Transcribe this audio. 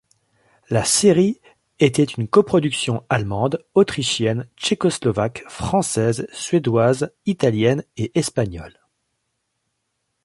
La série était une coproduction allemande, autrichienne, tchécoslovaque, française, suédoise, italienne et espagnole.